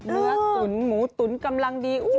เนื้อตุ๋นหมูตุ๋นกำลังดี